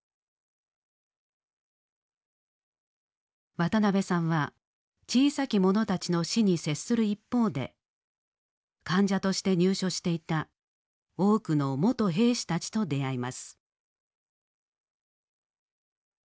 渡辺さんは小さきものたちの死に接する一方で患者として入所していた多くの元兵士たちと出会います。